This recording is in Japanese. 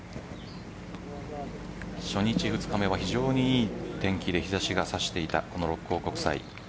初日、２日目は非常に良い天気で日差しが差していたこの六甲国際。